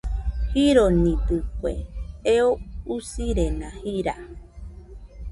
Jironidɨkue, eo usirena jira.